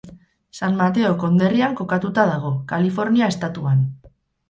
San Mateo konderrian kokatuta dago, Kalifornia estatuan.